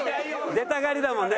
出たがりだもんね。